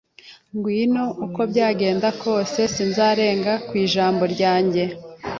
Ngwino uko byagenda kose, sinzarenga ku ijambo ryanjye.